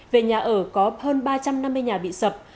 về nhà ở có hơn ba trăm năm mươi nhà bị sập